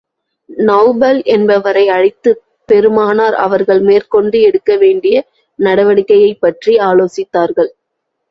நெளபல் என்பவரை அழைத்துப் பெருமானார் அவர்கள் மேற்கொண்டு எடுக்க வேண்டிய நடவடிக்கையைப் பற்றி ஆலோசித்தார்கள்.